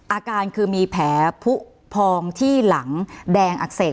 อาการคือมีแผลผู้พองที่หลังแดงอักเสบ